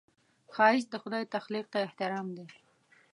ښایست د خدای تخلیق ته احترام دی